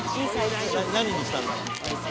何にしたんだろう？